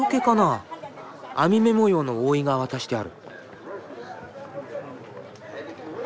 網目模様の覆いが渡してある。